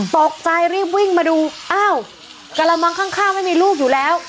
ตกใจรีบวิ่งมาดูอ้าวกระมังข้างไม่มีลูกอยู่แล้ว